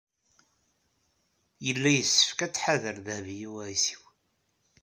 Yella yessefk ad tḥader Dehbiya u Ɛisiw.